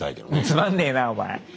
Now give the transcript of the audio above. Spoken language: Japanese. つまんねえなお前！